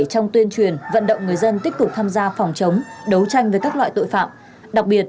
trong tuyên truyền vận động người dân tích cực tham gia phòng chống